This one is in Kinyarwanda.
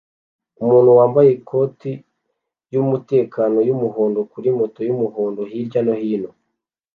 Umuntu wambaye ikoti ryumutekano yumuhondo kuri moto yumuhondo hirya no hino